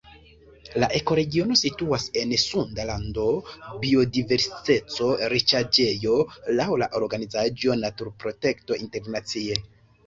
La ekoregiono situas en Sunda Lando, biodiverseco-riĉaĵejo laŭ la organizaĵo Naturprotekto Internacie.